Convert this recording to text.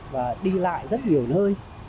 và đi lại rất nhiều nơi